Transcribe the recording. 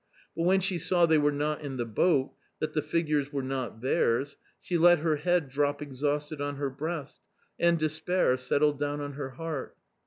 But when she saw they were not in the boat, that the figures were not theirs, she let her head drop exhausted on her breast, and despair settled down on her heart.